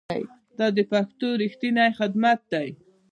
دا د پښتو ریښتینی خدمت دی.